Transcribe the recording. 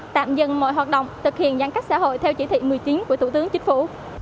tạm dừng mọi hoạt động thực hiện giãn cách xã hội theo chỉ thị một mươi chín của thủ tướng chính phủ